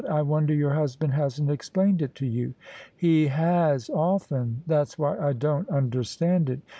I wonder your husband hasn't explained it to you." " He has often : that's why I don't understand it.